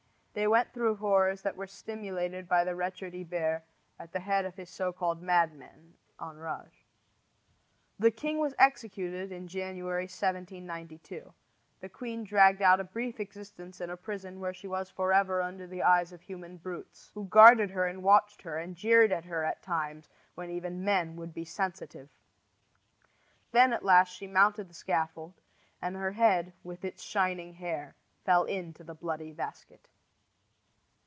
They went through horrors that were stimulated by the wretch Hebert, at the head of his so called Madmen (Enrages). The king was executed in January, 1792. The queen dragged out a brief existence in a prison where she was for ever under the eyes of human brutes, who guarded her and watched her and jeered at her at times when even men would be sensitive. Then, at last, she mounted the scaffold, and her head, with its shining hair, fell into the bloody basket.